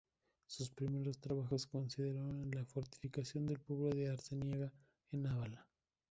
Sus primeros trabajos consistieron en la fortificación del pueblo de Arceniega en Álava.